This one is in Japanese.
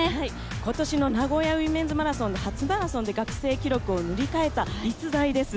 今年の名古屋ウィメンズマラソン、初マラソンで学生記録を塗り替えた、逸材です。